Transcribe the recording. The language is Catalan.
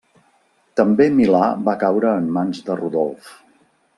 També Milà va caure en mans de Rodolf.